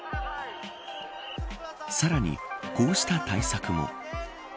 さらに、こうした対策も。